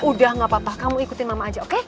udah gak apa apa kamu ikutin mama aja oke